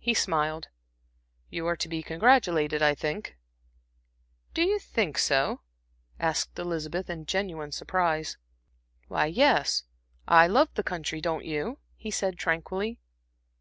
He smiled. "You are to be congratulated, I think." "Do you think so?" asked Elizabeth, in genuine surprise. "Why, yes, I love the country; don't you," he said tranquilly.